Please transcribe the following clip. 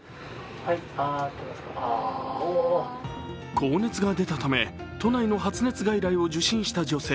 高熱が出たため都内の発熱外来を受診した女性。